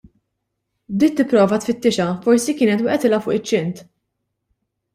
Bdiet tipprova tfittixha, forsi kienet waqgħetilha fuq iċ-ċint.